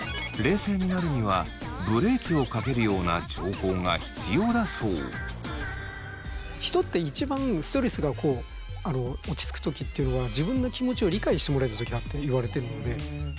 この状態だと人って一番ストレスが落ち着く時っていうのは自分の気持ちを理解してもらえた時だっていわれてるので。